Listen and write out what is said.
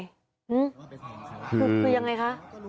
คือยังไงคะ